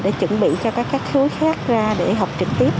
để chuẩn bị cho các thứ khác ra để học trực tiếp